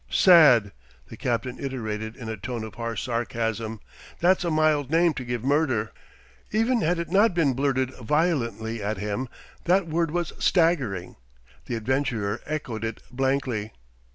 "Sad!" the captain iterated in a tone of harsh sarcasm. "That's a mild name to give murder." Even had it not been blurted violently at him, that word was staggering. The adventurer echoed it blankly.